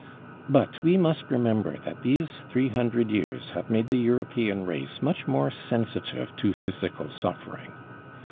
But we must remember that these three hundred years have made the European race much more sensitive to physical suffering.